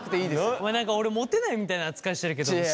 ごめん何か俺モテないみたいな扱いしてるけど知らないよ？